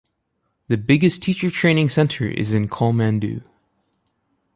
The biggest Teacher Training Center is in Komandoo.